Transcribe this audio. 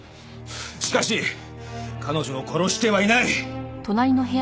しかし彼女を殺してはいない！